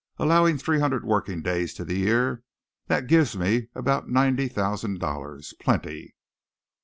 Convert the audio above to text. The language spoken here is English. Allowing three hundred working days to the year, that gives me about ninety thousand dollars plenty!"